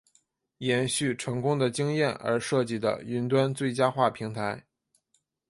延续成功的经验而设计的云端最佳化平台。